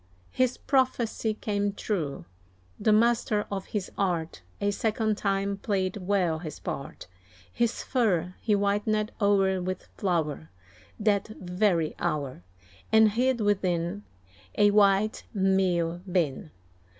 His prophecy came true the master of his art, A second time played well his part. His fur he whitened o'er with flour, That very hour, And hid within A white meal bin.